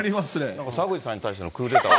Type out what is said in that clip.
なんか澤口さんに対してのクーデター。